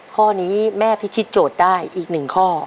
ข้อนี้แม่พิทิศโจทย์ได้อีก๑ข้อ